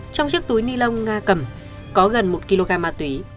trong chiếc túi ni lông cầm có gần một kg ma túy